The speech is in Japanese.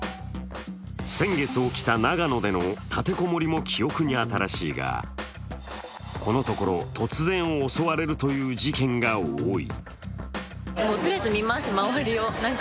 先月起きた、長野での立て籠もりも記憶に新しいが、このところ、突然襲われるという事件が多い。